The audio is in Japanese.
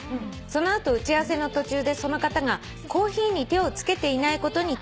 「その後打ち合わせの途中でその方がコーヒーに手を付けていないことに気付き